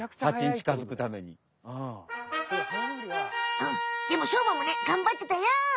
うんでもしょうまもねがんばってたよ！